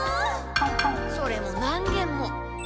それも何げんも。